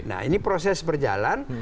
nah ini proses berjalan